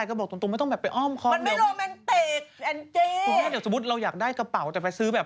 อยากได้ความรวยอ๋ออยากได้ความรวยคุณแม่